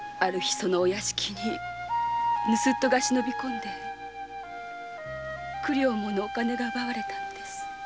その屋敷に盗っ人が入り九両ものお金が奪われたのです。